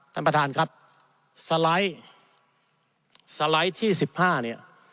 ท่านประธานครับสไลด์สไลด์ที่๑๕เนี่ย